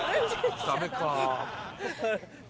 ダメか。